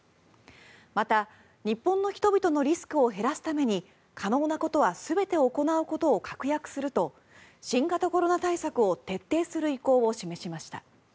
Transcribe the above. また、日本の人々のリスクを減らすために可能なことは全て行うことを確約すると新型コロナ対策を徹底する意向を示しました。